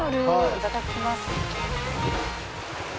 いただきます。